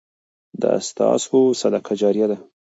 دا ستاسو صدقه جاریه ده.